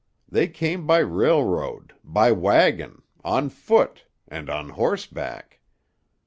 They came by railroad. By wagon. On foot. And on horseback.